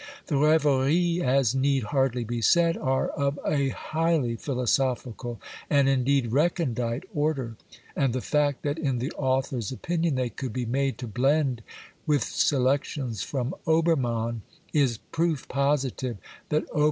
The Reveries, as need hardly be said, are of a highly philosophical and, indeed, recondite order, and the fact that in the author's opinion they could be made to blend with selections from Obermann is proof positive that Ober?